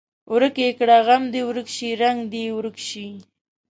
ورک یې کړه غم دې ورک شي رنګ دې یې ورک شي.